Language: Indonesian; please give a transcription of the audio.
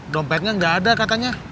dompetnya gak ada katanya